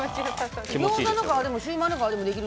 ギョーザの皮でもシューマイの皮でもできる？